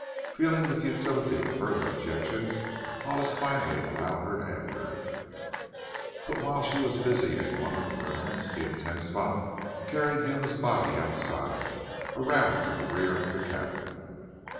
Feeling the futility of further objection, Hollis finally allowed her to enter. But while she was busy in one of the rooms he and Ten Spot carried Yuma's body outside, around to the rear of the cabin.